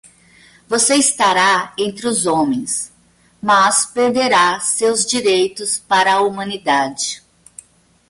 Você estará entre os homens, mas perderá seus direitos para a humanidade.